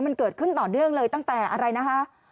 มันเกิดขึ้นต่อเนื่องเลยตั้งแต่อะไรนะคะ